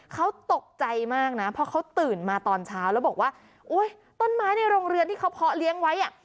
เขาตกใจมากนะเพราะเขาตื่นมาตอนเช้าแล้วบอกว่าโอ๊ยต้นไม้ในโรงเรือนที่เขาเพาะเลี้ยงไว้อ่ะ